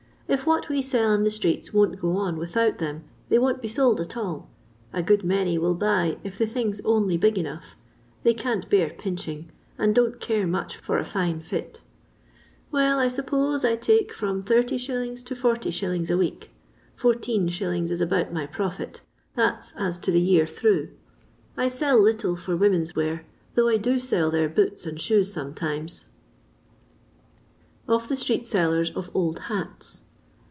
If what we sell in the streets won't go on without them they won't be sold at all. A good many will buy if the thing's only big enough— 'they can't bcnr pmching, and don't much care for a fine fit. " Well, I suppose I take from oOs. to iOs. a week, 14s. is about my profit — that 's as to the year through. "I sell little for women's wear, though I do sell their boots and shoes sometimes." Of thb Street Sellxbs of Old Hats.